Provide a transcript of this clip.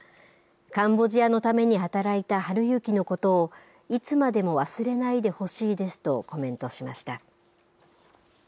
カンボジアのために働いた晴行のことをいつまでも忘れないでほしいですとコメントしました。